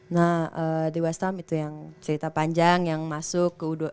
nah di west time itu yang cerita panjang yang masuk ke u dua puluh